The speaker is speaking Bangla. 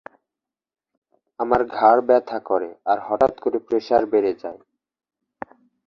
আমার ঘাড় ব্যথা করে আর হঠাৎ করে প্রেসার বেড়ে যায়।